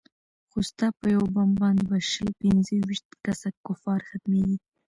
خو ستا په يو بم باندې به شل پينځه ويشت كسه كفار ختميږي.